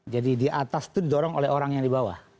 jadi di atas itu didorong oleh orang yang di bawah